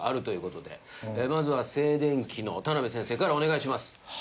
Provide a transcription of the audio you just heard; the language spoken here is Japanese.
まずは静電気の田邉先生からお願いします。